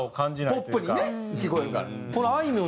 ポップにね聞こえるから。